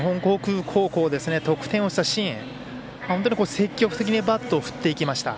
得点をしたシーン、本当に積極的にバットを振っていきました。